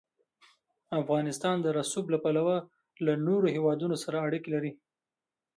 افغانستان د رسوب له پلوه له نورو هېوادونو سره اړیکې لري.